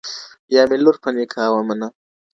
یا مي لور په نکاح ومنه